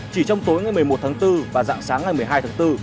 chỉ trong tối ngày một mươi một tháng bốn và dạng sáng ngày một mươi hai tháng bốn